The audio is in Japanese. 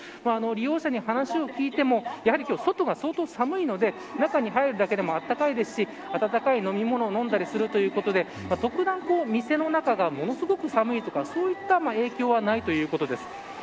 利用者に話を聞いても今日は外が相当寒いので中に入るだけでも暖かいですし温かい飲み物を飲んだりするということで特段店の中がものすごく寒いとかそういった影響はないということです。